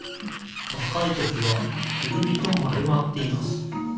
わかいときはくるりとまるまっています。